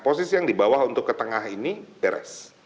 posisi yang di bawah untuk ke tengah ini beres